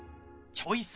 チョイス！